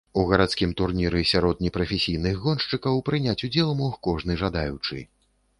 У гарадскім турніры сярод непрафесійных гоншчыкаў прыняць удзел мог кожны жадаючы.